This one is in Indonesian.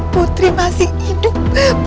putri masih hidup